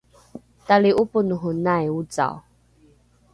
tali’oponohonai ocao